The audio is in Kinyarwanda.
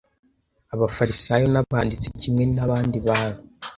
Abafarisayo n’abanditsi kimwe n’abandi bantu